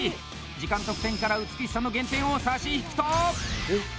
時間得点から美しさの減点を差し引くと。